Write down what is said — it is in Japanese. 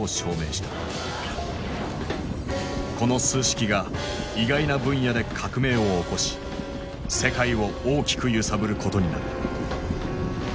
この数式が意外な分野で革命を起こし世界を大きく揺さぶることになる。